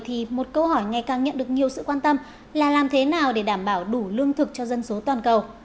trong năm hai nghìn một mươi một câu hỏi ngày càng nhận được nhiều sự quan tâm là làm thế nào để đảm bảo đủ lương thực cho dân số toàn cầu